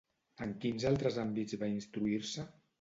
En quins altres àmbits va instruir-se?